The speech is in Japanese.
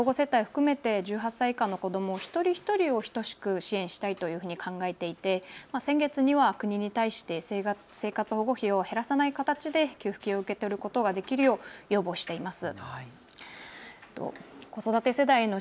都は生活保護世帯を含めて１８歳以下の子ども一人一人を等しく支援したいと考えていて先月には国に対して生活保護費を減らさない形で給付金を受け取ることができるよう要望しています。